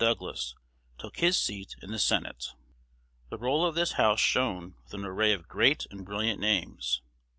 Douglas, took his seat in the Senate. The roll of this House shone with an array of great and brilliant names.